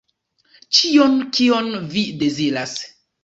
Ĉion, kion vi deziras.